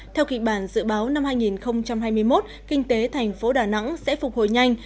theo kịch bản dự báo năm hai nghìn hai mươi một kinh tế thành phố đà nẵng sẽ phục hồi nhanh